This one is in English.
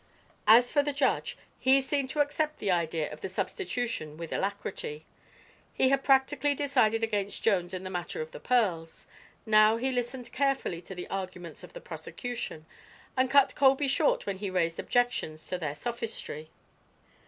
As for the judge, he seemed to accept the idea of the substitution with alacrity. He had practically decided against Jones in the matter of the pearls. Now he listened carefully to the arguments of the prosecution and cut Colby short when he raised objections to their sophistry.